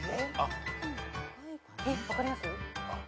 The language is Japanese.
えっ分かります？